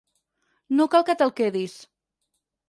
No cal que te'l quedis.